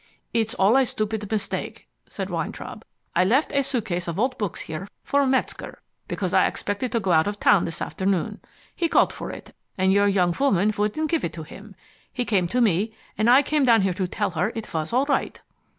"It's all a stupid mistake," said Weintraub. "I left a suitcase of old books here for Metzger, because I expected to go out of town this afternoon. He called for it, and your young woman wouldn't give it to him. He came to me, and I came down here to tell her it was all right."